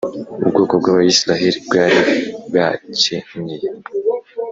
ubwoko bw’abisiraheli bwari bwakenyeye,